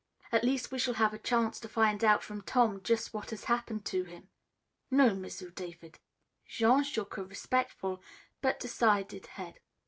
"At least we shall have a chance to find out from Tom just what has happened to him." "No; M'sieu' David." Jean shook a respectful but decided head.